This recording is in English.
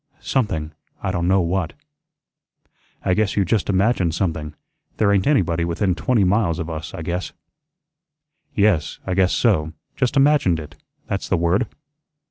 Something, I don' know what." "I guess you just imagined something. There ain't anybody within twenty miles of us, I guess." "Yes, I guess so, just imagined it, that's the word."